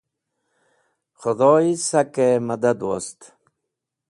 Khẽdhoy sakẽ mẽdad wost.